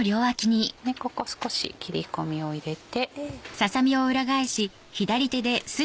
ここ少し切り込みを入れて。